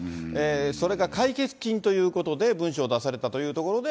それから解決金ということで文書を出されたというところで、